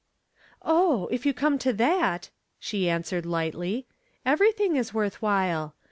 "Oh, if you come to that," she answered, lightly, "everything is worth while.